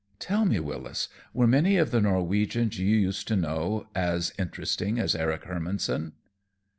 "Tell me, Wyllis, were many of the Norwegians you used to know as interesting as Eric Hermannson?"